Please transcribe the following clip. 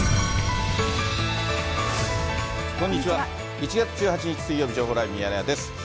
１月１８日水曜日、情報ライブミヤネ屋です。